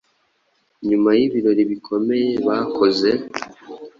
Nyuma y’ibirori bikomeye bakoze